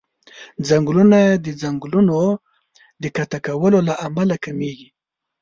ځنګلونه د ځنګلونو د قطع کولو له امله کميږي.